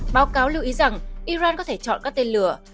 báo cáo lưu ý rằng iran có thể chọn các tên lửa